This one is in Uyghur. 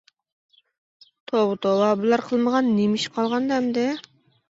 توۋا. توۋا. بۇلار قىلمىغان نېمە ئىش قالغاندۇ ئەمدى.